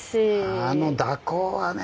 あの蛇行はね。